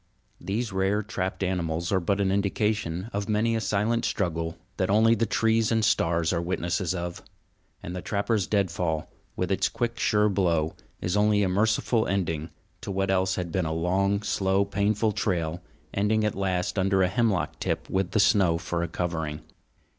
These rare trapped animals are but an indication of many a silent struggle that only the trees and stars are witnesses of; and the trapper's deadfall, with its quick, sure blow, is only a merciful ending to what else had been a long, slow, painful trail, ending at last under a hemlock tip with the snow for a covering.